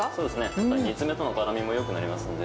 やっぱり煮詰めとのからみもよくなりますね。